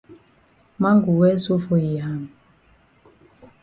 Man go well so for yi hand?